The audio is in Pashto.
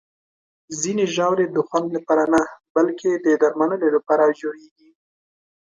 ځینې ژاولې د خوند لپاره نه، بلکې د درملنې لپاره جوړېږي.